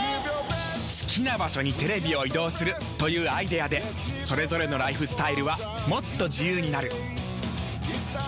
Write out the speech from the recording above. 好きな場所にテレビを移動するというアイデアでそれぞれのライフスタイルはもっと自由になる。